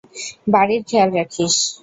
বাড়ির খেয়াল রাখিস।